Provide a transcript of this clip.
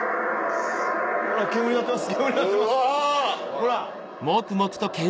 ほら！